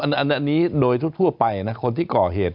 อันนี้โดยทั่วไปโดยทั่วไปคนที่ก่อเหตุ